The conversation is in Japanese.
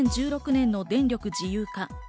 ２０１６年の電力自由化。